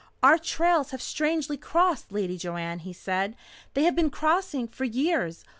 "Our trails have strangely crossed, Lady Joanne," he said. "They have been crossing for years.